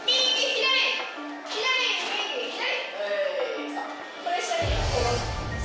左右左！